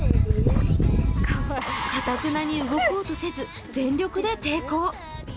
かたくなに動こうとせず全力で抵抗。